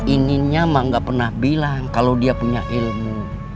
ininya mah nggak pernah bilang kalau dia punya ilmu